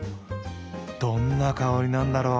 どんな香りなんだろう？